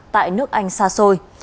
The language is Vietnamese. tại nước anh xa xôi